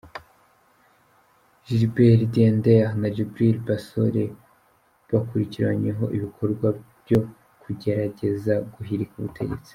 Gilbert Diendéré na Djibrill Bassolé bakurikiranyweho ibikorwa byo kugerageza guhirika ubutegetsi.